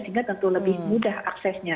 sehingga tentu lebih mudah aksesnya